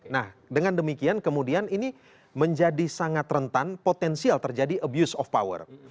nah dengan demikian kemudian ini menjadi sangat rentan potensial terjadi abuse of power